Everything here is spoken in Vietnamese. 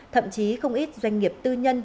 thậm chí không ít doanh nghiệp tư nhân